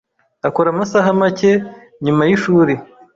akora amasaha make nyuma yishuri.